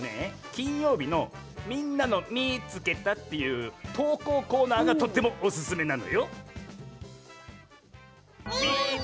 金曜日の「みんなのみいつけた！」っていう投稿コーナーがとってもオススメなのよ。